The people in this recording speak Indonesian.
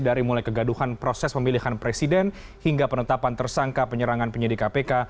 dari mulai kegaduhan proses pemilihan presiden hingga penetapan tersangka penyerangan penyidik kpk